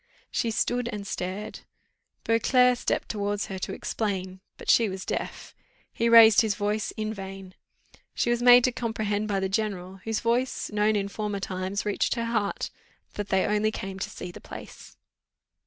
She stood and stared. Beauclerc stepped towards her to explain; but she was deaf: he raised his voice in vain. She was made to comprehend by the general, whose voice, known in former times, reached her heart "that they only came to see the place."